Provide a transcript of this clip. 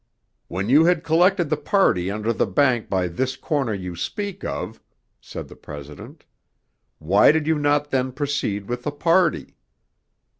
'When you had collected the party under the bank by this corner you speak of,' said the President, 'why did you not then proceed with the party?'